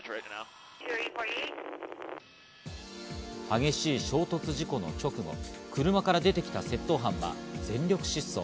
激しい衝突事故の直後、車から出てきた窃盗犯は全力疾走。